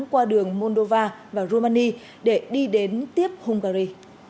qua đường moldova và rumani để đi đến tiếp hungary